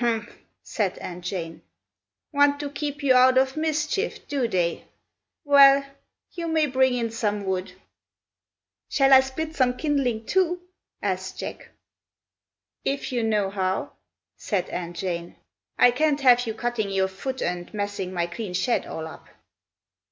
"Humph!" said Aunt Jane. "Want to keep you out of mischief, do they? Well! you may bring in some wood." "Shall I split some kindling, too?" asked Jack. "If you know how!" said Aunt Jane. "I can't have you cutting your foot and messing my clean shed all up."